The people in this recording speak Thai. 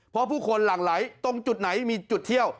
เพราะผู้คนหลั่งไหลตรงจุดไหนมีจุดเที่ยว